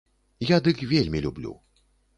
Я дык вельмі люблю.